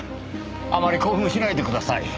あまり興奮しないでください。